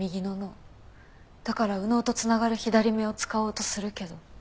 だから右脳と繋がる左目を使おうとするけど。